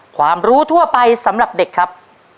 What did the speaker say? ความรู้ทั่วไปสำหรับเด็กครับ